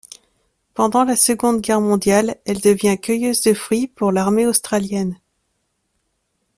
Pendant la Seconde Guerre mondiale, elle devient cueilleuse de fruits pour l'armée australienne.